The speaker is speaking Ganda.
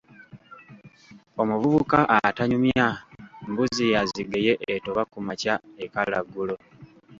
Omuvubuka atanyumya, mbuzi ya Zigeye etoba ku makya ekala ggulo!